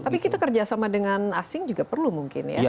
tapi kita kerjasama dengan asing juga perlu mungkin ya